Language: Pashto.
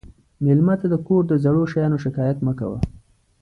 مېلمه ته د کور د زړو شیانو شکایت مه کوه.